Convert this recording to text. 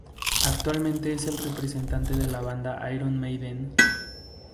Actualmente es el representante de la banda Iron Maiden.